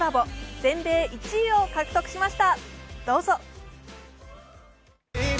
全米１位を獲得しました。